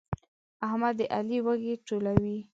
احمد د علي وږي ټولوي.